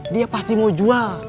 dia pasti mau jual